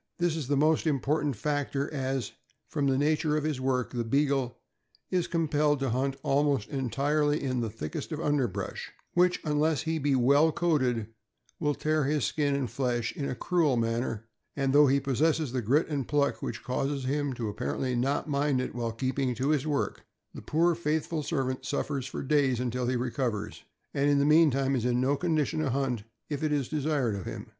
This is a most important factor, as, from the nature of his work, the Beagle is compelled to hunt almost entirely in the thickest of underbrush, which, unless he be well coated, will tear his skin and flesh in a cruel manner; and though he possess the grit and pluck which causes him to appar ently not mind it while keeping to his work, the poor faithful servant suffers for days until he recovers, and in the meantime is in no condition to hunt if it be desired of him.